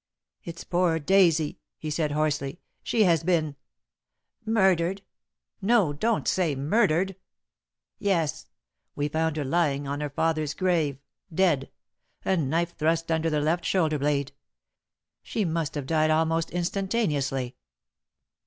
"It's poor Daisy," he said hoarsely. "She has been " "Murdered! No. Don't say murdered!" "Yes, we found her lying on her father's grave, dead; a knife thrust under the left shoulder blade. She must have died almost instantaneously."